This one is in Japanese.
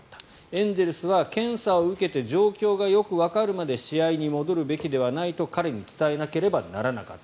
エンゼルスは、検査を受けて状況がよくわかるまで試合に戻るべきではないと彼に伝えなければならなかった。